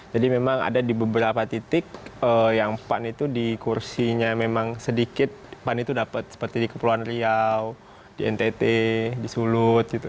jadi memang ada di beberapa titik yang pan itu dikursinya memang sedikit pan itu dapat seperti di kepulauan riau di ntt di sulut gitu